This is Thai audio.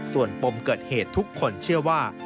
ส่วนปมเกิดเหตุทุกคนเชื่อว่า